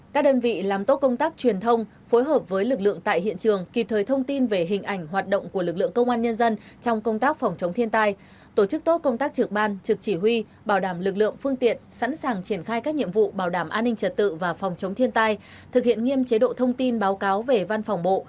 các đơn vị làm tốt công tác truyền thông phối hợp với lực lượng tại hiện trường kịp thời thông tin về hình ảnh hoạt động của lực lượng công an nhân dân trong công tác phòng chống thiên tai tổ chức tốt công tác trực ban trực chỉ huy bảo đảm lực lượng phương tiện sẵn sàng triển khai các nhiệm vụ bảo đảm an ninh trật tự và phòng chống thiên tai thực hiện nghiêm chế độ thông tin báo cáo về văn phòng bộ